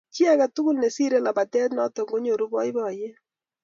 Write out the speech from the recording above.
Chi age tugul nesire labatet noto konyoru boiboyet